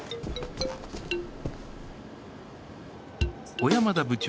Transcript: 小山田部長